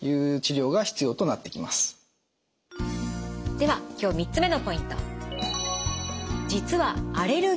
では今日３つ目のポイント。